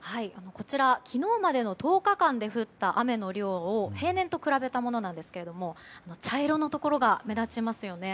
昨日までの１０日間で降った雨の量を平年と比べたものなんですが茶色のところが目立ちますよね。